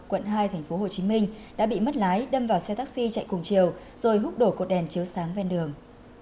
quận hai tp hcm đã bị mất lái đâm vào xe taxi chạy cùng chiều rồi hút đổ cột đèn chiếu sáng ven đường